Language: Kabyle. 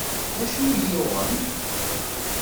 D acu i iyi-yuɣen?